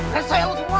rasain lu semua